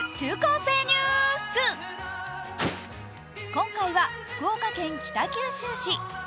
今回は福岡県北九州市。